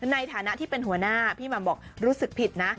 ในฐานะที่เป็นหัวหน้าพี่หม่ำบอกรู้สึกผิดนะ